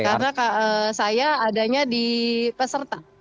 karena saya adanya di peserta